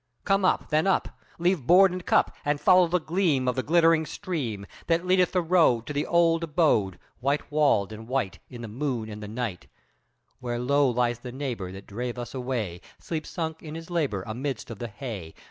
Come, up, then up! Leave board and cup, And follow the gleam Of the glittering stream That leadeth the road To the old abode, High walled and white In the moon and the night; Where low lies the neighbour that drave us away Sleep sunk from his labour amidst of the hay.